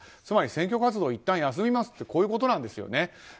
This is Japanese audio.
つまり、選挙活動をいったん休みますとこういうことなんですよね。